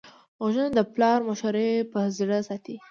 غوږونه د پلار مشورې په زړه ساتي